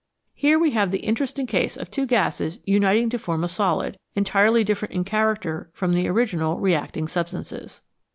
Here we have the interesting case of two gases uniting to form a solid, entirely different in character from the original reacting sub stances.